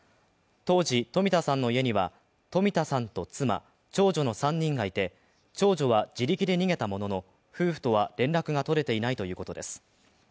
当時、冨田さんの家には冨田さんと妻、長女の３人がいて、長女は自力で逃げたものの夫婦とは連絡が取れていないということです。